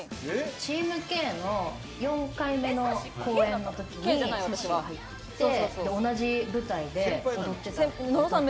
チームＫの４回目の公演のときにさっしーが入ってきて、同じ舞台で踊ってた。